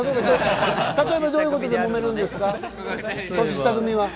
例えば、どういうことでもめるんですか？